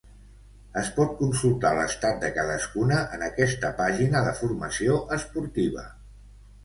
Es pot consultar l'estat de cadascuna en aquesta pàgina de formació esportiva.